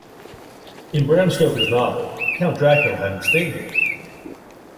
In Bram Stoker's novel, Count Dracula had an estate here.